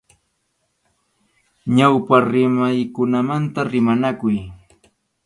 Ñawpa rimaykunamanta rimanakuy.